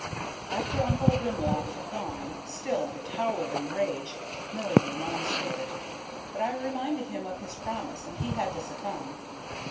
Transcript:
After Uncle Abimelech had gone, still in a towering rage, Murray remonstrated. But I reminded him of his promise and he had to succumb.